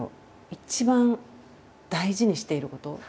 一番大事にしていること。